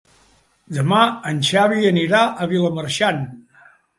Demà en Xavi anirà a Vilamarxant.